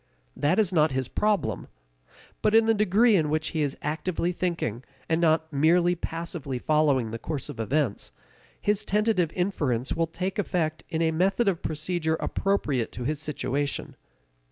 That is not his problem. But in the degree in which he is actively thinking, and not merely passively following the course of events, his tentative inferences will take effect in a method of procedure appropriate to his situation.